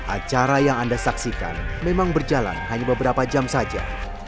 acara yang anda saksikan memang berjalan hanya beberapa jam saja